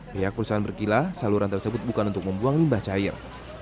pihak perusahaan berkila saluran tersebut bukan untuk membuang limbah cair